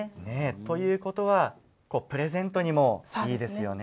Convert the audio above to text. ということはプレゼントにもいいですね。